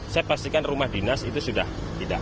saya pastikan rumah dinas itu sudah tidak